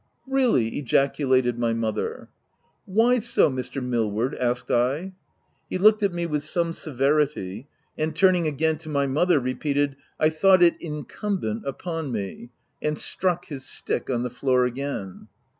" Really !" ejaculated my mother. "Why so, Mr. Millward?" asked I. He looked at me with some severity, and turning again to my mother, repeated —" I thought it incumbent upon me V* and struck his stick on the floor again.